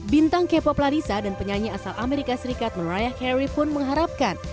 bintang k pop lalisa dan penyanyi asal amerika serikat meraya harry pun mengharapkan